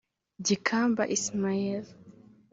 Gikamba Ismael